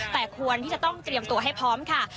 แต่ควรที่จะต้องเตรียมตัวให้พร้อมค่ะ